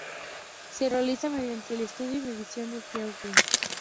Se realiza mediante el estudio y medición del "geoide".